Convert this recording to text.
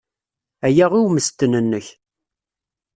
Aya i ummesten-nnek.